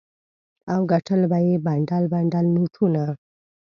او ګټل به یې بنډل بنډل نوټونه.